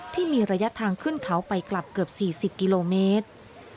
ที่มีระยะทางขึ้นเขาไปกลับเกือบ๔๐กิโลเมตร